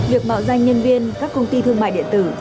việc mạo danh nhân viên các công ty thương mại điện tử